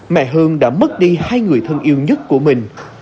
mẹ hương đã mất đi hai người thân yêu nhất của mình